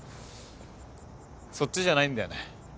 そっちじゃないんだよね。